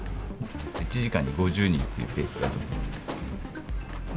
１時間に５０人というペースだと思います。